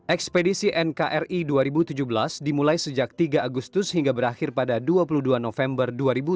ekspedisi nkri dua ribu tujuh belas dimulai sejak tiga agustus hingga berakhir pada dua puluh dua november dua ribu tujuh belas